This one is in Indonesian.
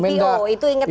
itu ingat sekali